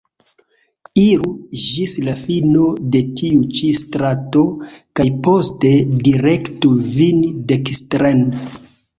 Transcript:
Iru ĝis la fino de tiu ĉi strato kaj poste direktu vin dekstren.